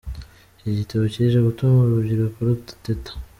Iki gitabo kije gutuma urubyiruko rudateta.